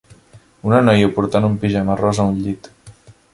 Una noia portant un pijama rosa a un llit